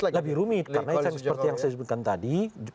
lebih rumit karena seperti yang saya sebutkan tadi